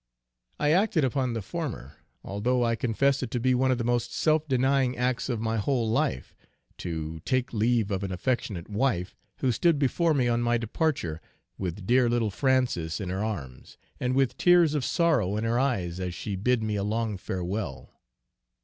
I acted upon the former, although I confess it to be one of the most self denying acts of my whole life, to take leave of an affectionate wife, who stood before me on my departure, with dear little Frances in her arms, and with tears of sorrow in her eyes as she bid me a long farewell.